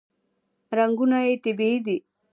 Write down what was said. رنګونه یې طبیعي دي.